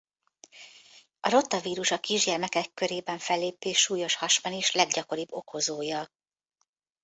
A rotavírus a kisgyermekek körében fellépő súlyos hasmenés leggyakoribb okozója.